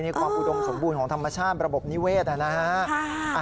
นี่ความอุดมสมบูรณ์ของธรรมชาติระบบนิเวศนะฮะ